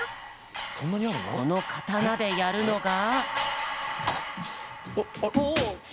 このかたなでやるのが。